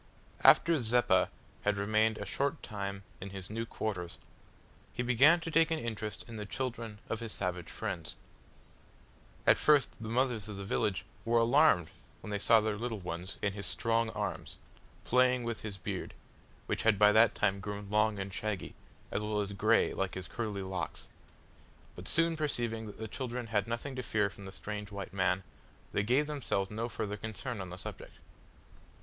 After Zeppa had remained a short time in his new quarters, he began to take an interest in the children of his savage friends. At first the mothers of the village were alarmed when they saw their little ones in his strong arms, playing with his beard, which had by that time grown long and shaggy, as well as grey like his curly locks; but soon perceiving that the children had nothing to fear from the strange white man, they gave themselves no further concern on the subject.